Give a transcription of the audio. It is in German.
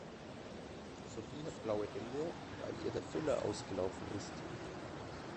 Sophie hat blaue Hände, weil ihr der Füller ausgelaufen ist.